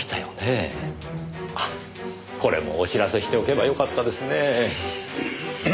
あっこれもお知らせしておけばよかったですねぇ。